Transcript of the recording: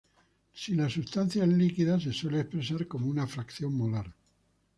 Si la sustancia es líquida, se suele expresar como una fracción molar.